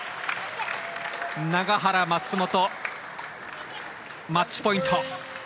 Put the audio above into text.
永原、松本マッチポイント。